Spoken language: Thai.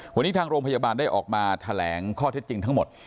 วันนี้ทางโรงพยาบาลได้ออกมาแถลงข้อเท็จจริงทั้งหมด